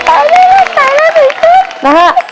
ถูกครับ